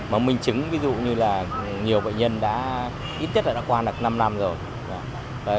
mà minh chứng ví dụ như là nhiều bệnh nhân đã ít nhất là đã qua được năm năm rồi